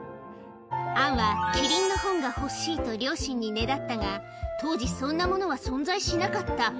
アンはキリンの本が欲しいと両親にねだったが、当時、そんなものは存在しなかった。